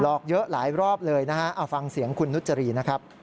อกเยอะหลายรอบเลยนะฮะเอาฟังเสียงคุณนุจรีนะครับ